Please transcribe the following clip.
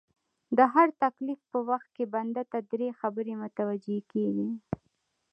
د هر تکليف په وخت کي بنده ته دری خبري متوجې کيږي